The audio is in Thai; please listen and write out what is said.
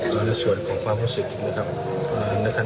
โดยในส่วนของความรู้สึกนะครับ